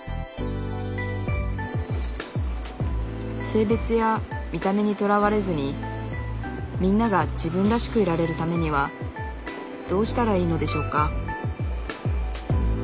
性別や見た目にとらわれずにみんなが自分らしくいられるためにはどうしたらいいのでしょうか？